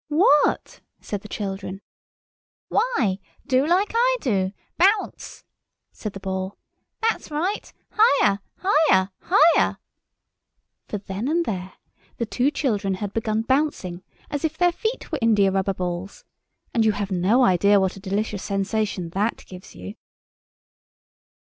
"What?" said the children. "Why, do like I do—bounce!" said the Ball. "That's right—higher, higher, higher!" For then and there the two children had begun bouncing as if their feet were india rubber balls, and you have no idea what a delicious sensation that gives you.